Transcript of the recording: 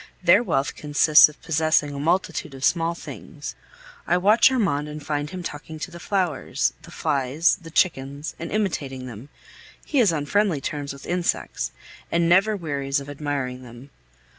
Their wealth consists in possessing a multitude of small things. I watch Armand and find him talking to the flowers, the flies, the chickens, and imitating them. He is on friendly terms with insects, and never wearies of admiring them.